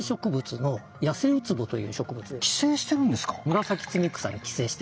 え植物に寄生してるんですか？